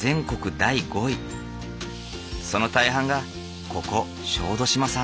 その大半がここ小豆島産。